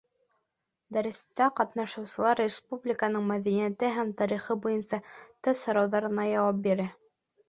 Дәрестә ҡатнашыусылар республиканың мәҙәниәте һәм тарихы буйынса тест һорауҙарына яуап бирә.